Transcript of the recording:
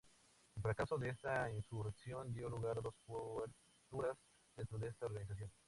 El fracaso de esta insurrección dio lugar a dos posturas dentro de esta organización.